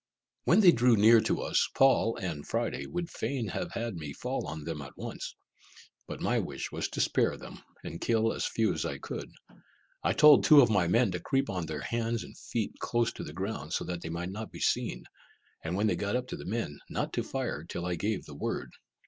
When they drew near to us, Paul and Friday would fain have had me fall on them at once. But my wish was to spare them, and kill as few as I could. I told two of my men to creep on their hands and feet close to the ground, so that they might not be seen, and when they got up to the men, not to fire till I gave the word.